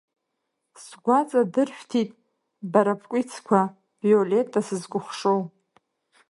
Сгәаҵа дыршәҭит бара бкәицқәа, виолетта сызкәыхшоу.